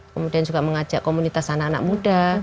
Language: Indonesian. kemudian juga mengajak komunitas anak anak muda